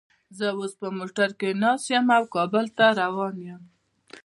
زه اوس په موټر کې ناست یم او کابل ته روان یم